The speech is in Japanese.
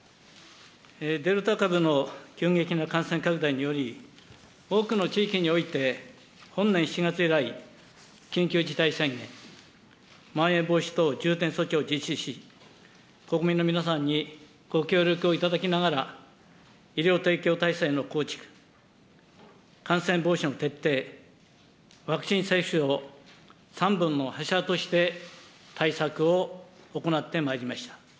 デルタ株の急激な感染拡大により、多くの地域において、本年７月以来、緊急事態宣言、まん延防止等重点措置を実施し、国民の皆さんにご協力を頂きながら、医療提供体制の構築、感染防止の徹底、ワクチン接種を３本の柱として対策を行ってまいりました。